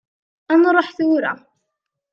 Ad nruḥ tura.